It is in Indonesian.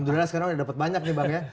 nah sekarang sudah dapat banyak nih bang ya